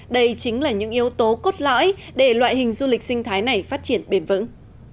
đây chính là những yếu tố cốt lõi để loại hình du lịch sinh thái này phát triển bền vững